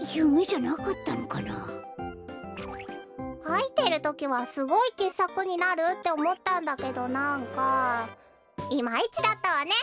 かいてるときはすごいけっさくになるっておもったんだけどなんかいまいちだったわね！